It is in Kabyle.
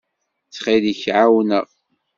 Ttxil-k, ɛawen-aɣ.